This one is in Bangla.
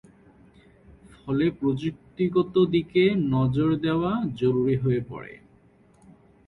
ফলে প্রযুক্তিগত দিকে নজর দেওয়া জরুরী হয়ে পড়ে।